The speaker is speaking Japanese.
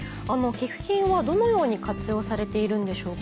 寄付金はどのように活用されているんでしょうか？